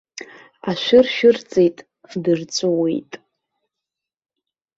Ашәы ршәырҵеит, дырҵәуеит.